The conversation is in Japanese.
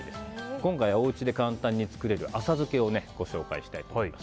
今回、おうちで簡単に作れる浅漬けをご紹介します。